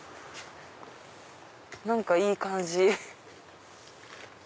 何かいい感じ。